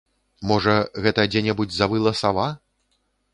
Можа, гэта дзе-небудзь завыла сава?